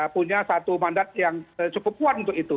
punya satu mandat yang cukup kuat untuk itu